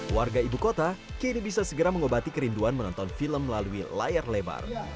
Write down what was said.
warga ibu kota kini bisa segera mengobati kerinduan menonton film melalui layar lebar